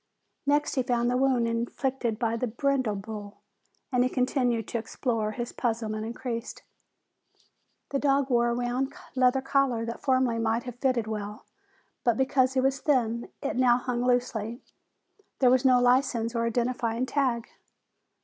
Next he found the wound inflicted by the brindle bull, and as he continued to explore his puzzlement increased. The dog wore a round leather collar that formerly might have fitted well, but because he was thin, it now hung loosely. There was no license or identifying tag.